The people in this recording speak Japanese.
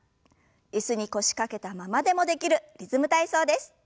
椅子に腰掛けたままでもできる「リズム体操」です。